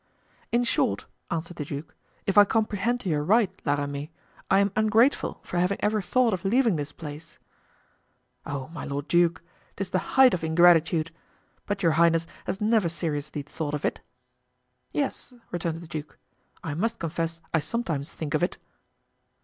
"In short," answered the duke, "if I comprehend you aright, La Ramee, I am ungrateful for having ever thought of leaving this place?" "Oh! my lord duke, 'tis the height of ingratitude; but your highness has never seriously thought of it?" "Yes," returned the duke, "I must confess I sometimes think of it."